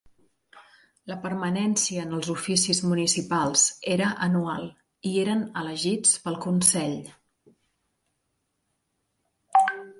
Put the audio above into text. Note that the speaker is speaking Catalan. La permanència en els oficis municipals era anual i eren elegits pel consell.